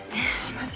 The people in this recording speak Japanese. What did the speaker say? マジ